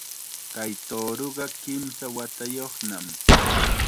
Kay tuuruqa kimsa watayuqnam